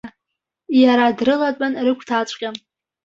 Иара дрылатәан рыгәҭаҵәҟьа.